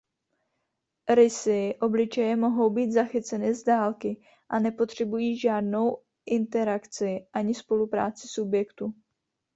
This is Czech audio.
Rysy obličeje mohou být zachyceny z dálky a nepotřebují žádnou interakci ani spolupráci subjektu.